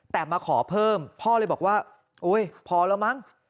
แต่มาขอเพิ่มพ่อเลยบอกว่าโอ๊ยพอแล้วมั้ง